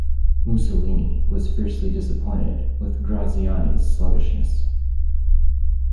Mussolini was fiercely disappointed with Graziani's sluggishness.